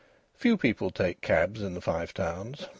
Few people take cabs in the Five Towns.